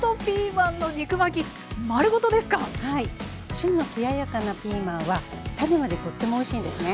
旬の艶やかなピーマンは種までとってもおいしいんですね。